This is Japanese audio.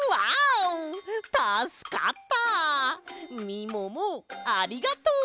みももありがとう。